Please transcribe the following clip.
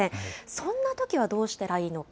そんなときはどうしたらいいのか。